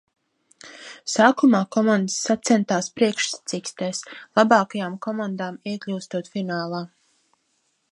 Sākumā komandas sacentās priekšsacīkstēs, labākajām komandām iekļūstot finālā.